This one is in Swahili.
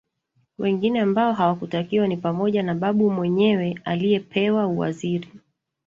Wengine ambao hawakutakiwa ni pamoja na Babu mwenyewe aliyepewa uwaziri